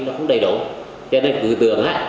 nó không đầy đủ cho nên tự tưởng